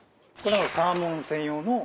サーモン専用のナイフ。